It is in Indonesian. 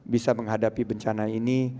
bisa menghadapi bencana ini